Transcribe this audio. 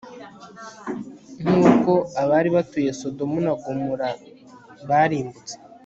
nk'uko abari batuye sodomu na gomora barimbutse